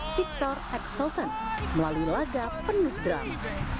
viktor axelsen melalui laga penuh drama